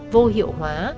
vô hiệu hóa